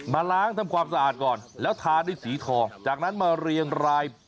ล้างทำความสะอาดก่อนแล้วทาด้วยสีทองจากนั้นมาเรียงราย